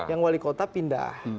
yang wali kota pindah